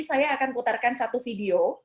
saya akan putarkan satu video